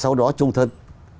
sau đó trung thân